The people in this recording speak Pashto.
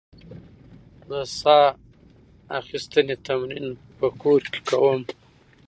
زه د ساه اخیستنې تمرین په کور کې کوم.